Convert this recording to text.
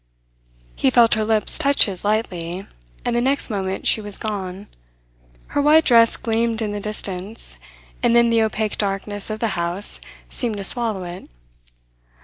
He felt her lips touch his lightly, and the next moment she was gone. Her white dress gleamed in the distance, and then the opaque darkness of the house seemed to swallow it.